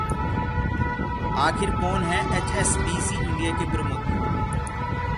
आखिर कौन हैं एचएसबीसी इंडिया के प्रमुख?